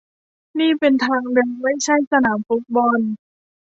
นี่เป็นทางเดินไม่ใช่สนามฟุตบอล